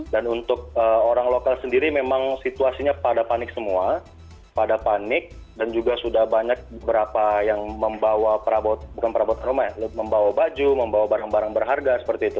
dan untuk orang lokal sendiri memang situasinya pada panik semua pada panik dan juga sudah banyak beberapa yang membawa perabot bukan perabot rumah ya membawa baju membawa barang barang berharga seperti itu